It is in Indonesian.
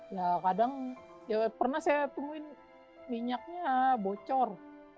ya kadang ya pernah saya temuin minyaknya bocor